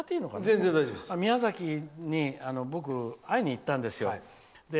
僕、宮崎に会いに行ったんですよ。